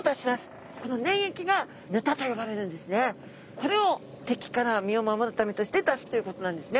これをてきから身をまもるためとして出すということなんですね。